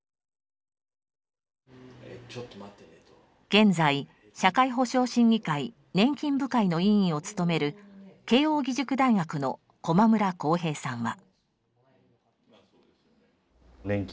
現在社会保障審議会年金部会の委員を務める慶應義塾大学の駒村康平さんは。